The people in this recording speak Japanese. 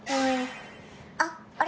あっあれ？